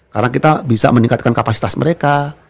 karena kita bisa meningkatkan kapasitas mereka